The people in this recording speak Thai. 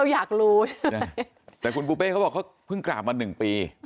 อยากรู้ใช่ไหมแต่คุณปูเป้เขาบอกเขาเพิ่งกราบมา๑ปี